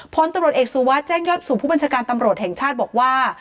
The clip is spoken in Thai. พลตำรวจเอกสุวัสดิแจ้งยอดสู่ผู้บัญชาการตำรวจแห่งชาติบอกว่า